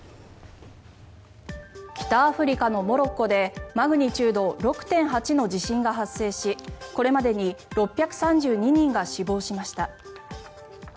北アフリカのモロッコでマグニチュード６．８の地震が発生しこれまでに６３２人が死亡しました。